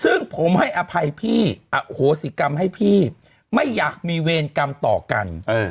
ซึ่งผมให้อภัยพี่อโหสิกรรมให้พี่ไม่อยากมีเวรกรรมต่อกัน